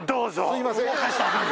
すいません。